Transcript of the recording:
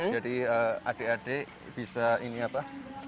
jadi adik adik bisa ini apa